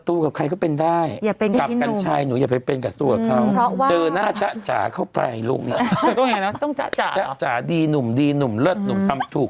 อุ๊ยอยากเอามาเชิญมาออกรายการกัชภาเนอะ